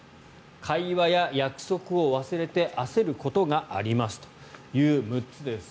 会話や約束を忘れて焦ることがありますという６つです。